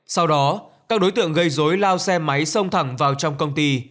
sau đó các đối tượng gây dối lao xe máy xông thẳng vào trong công ty